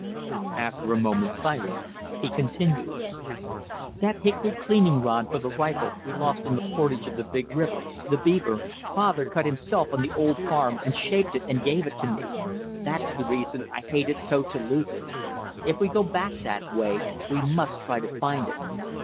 After a moment's silence, he continued: "That hickory cleaning rod for the rifle we lost on a portage on the big river [the Beaver] father cut himself on the old farm and shaped it and gave it to me. That's the reason I hated so to lose it. If we go back that way, we must try to find it.